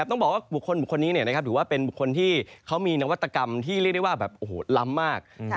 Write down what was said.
ต้องบอกว่าบุคคลบุคคลนี้ถือว่าเป็นบุคคลที่เขามีนวัตกรรมที่เรียกได้ว่าแบบล้ำมาก